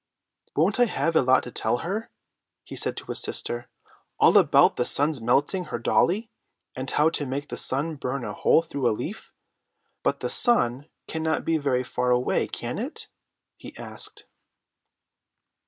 "Won't I have a lot to tell her?" he said to his sister: "all about the sun's melting her dollie, and how to make the sun burn a hole through a leaf. But the sun cannot be very far away, can it?" he asked.